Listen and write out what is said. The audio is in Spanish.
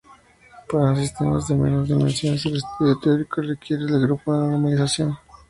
Para sistemas de menos dimensiones, el estudio teórico requiere del grupo de renormalización.